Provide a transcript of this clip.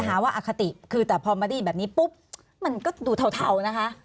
จะหาว่าอคติคือแต่พอมาดีแบบนี้ปุ๊บมันก็ดูเท่าเท่านะคะ